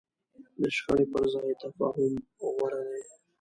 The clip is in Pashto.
د شخړې پر ځای تفاهم غوره دی.